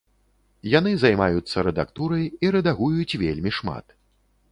Яны займаюцца рэдактурай, і рэдагуюць вельмі шмат.